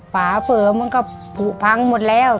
ป่าเผลอมันก็ผูกพังหมดแล้ว